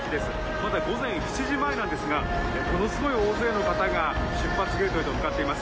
まだ午前７時前なんですがものすごい大勢の方が出発ゲートへと向かっています。